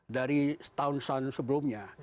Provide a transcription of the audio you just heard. dari tahun tahun sebelumnya